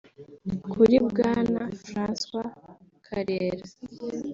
Kuri Bwana Francois Karera